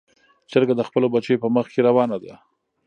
چرګه د خپلو بچیو په مخ کې روانه ده.